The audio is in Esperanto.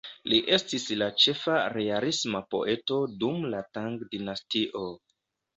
Li estis la ĉefa realisma poeto dum la Tang dinastio.